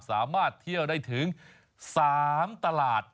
สามารถเที่ยวได้ถึง๓ตลาด